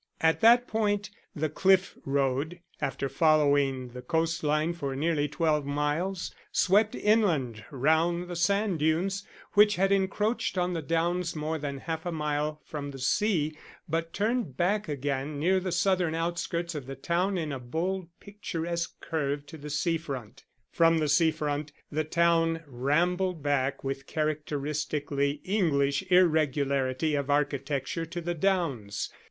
At that point the cliff road, after following the coastline for nearly twelve miles, swept inland round the sand dunes, which had encroached on the downs more than half a mile from the sea, but turned back again near the southern outskirts of the town in a bold picturesque curve to the sea front. From the sea front the town rambled back with characteristically English irregularity of architecture to the downs.